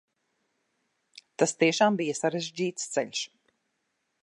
Tas tiešām bija sarežģīts ceļš.